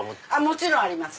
もちろんあります。